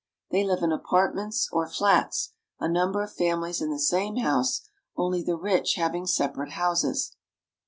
They live in apartments or flats, a number of families in the same house, only the rich having separate houses.